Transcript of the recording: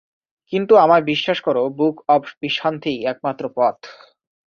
কিন্তু আমায় বিশ্বাস করো, বুক অব ভিশান্তিই একমাত্র পথ।